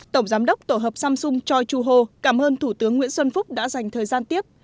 tổng giám đốc tổ hợp samsung choi chu ho cảm ơn thủ tướng nguyễn xuân phúc đã dành thời gian tiếp